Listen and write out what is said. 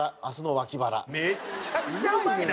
めちゃくちゃうまいな！